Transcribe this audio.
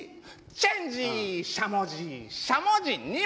「チェンジしゃもじしゃもじ２文字」